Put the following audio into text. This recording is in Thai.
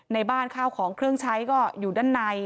ในบ้านข้าวของเครื่องใช้ก็อยู่ด้านใน